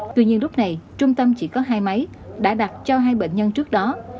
tuy nhiên lúc này trung tâm chỉ có hai máy đã đặt cho hai bệnh nhân trước đó